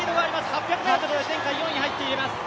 ８００ｍは前回４位に入っています。